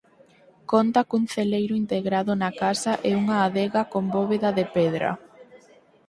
Conta cun celeiro integrado na casa e unha adega con bóveda de pedra.